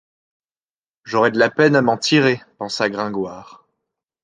J’aurai de la peine à m’en tirer, pensa Gringoire.